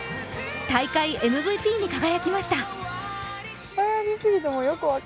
大会ＭＶＰに輝きました。